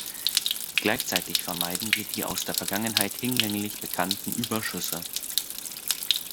Gleichzeitig vermeiden wir die aus der Vergangenheit hinlänglich bekannten Überschüsse.